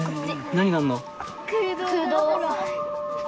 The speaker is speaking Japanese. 何があんの？